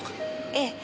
ええ。